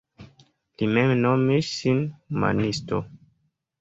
Li mem nomis sin humanisto.